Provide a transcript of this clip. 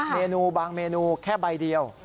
เมนูบางเมนูแค่ใบเดียว